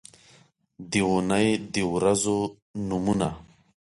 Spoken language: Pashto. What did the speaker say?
د اونۍ د ورځو نومونه